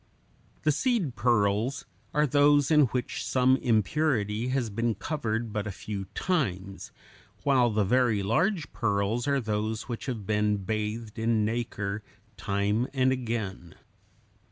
The seed pearls are those in which some impurity has been covered but a few times, while the very large pearls are those which have been bathed in nacre time and again.